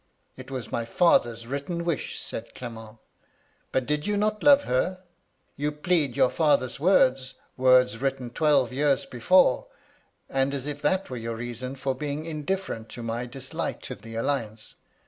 "* It was my father's written wish,' said Clement. "' But did you not love her ? You plead your father's words, — words written twelve years before, — and as if that were your reason for being indifferent to my dislike to the alliance.